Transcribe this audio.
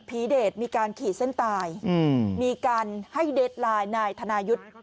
เดชมีการขี่เส้นตายมีการให้เดสไลน์นายธนายุทธ์